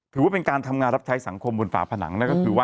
ถือว่าเป็นการทำงานรับใช้สังคมบนฝาผนัง